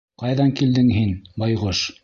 — Ҡайҙан килдең һин, байғош?